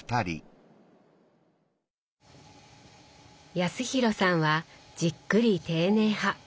康廣さんはじっくり丁寧派。